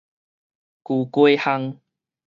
舊街巷